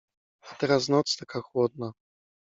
A teraz noc taka chłodna!…